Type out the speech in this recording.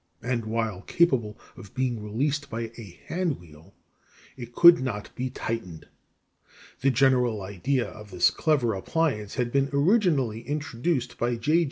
17); and while capable of being released by a hand wheel, it could not be tightened. The general idea of this clever appliance had been originally introduced by Mr. J.